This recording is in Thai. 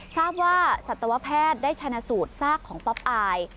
ทราบว่าสัตวแพทย์ได้ชนะสูตรซากของป๊อปอาย